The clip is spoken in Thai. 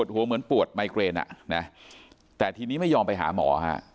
หัวเหมือนปวดไมเกรนอ่ะนะแต่ทีนี้ไม่ยอมไปหาหมอฮะ